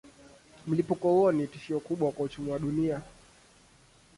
Mlipuko huo ni tishio kubwa kwa uchumi wa dunia.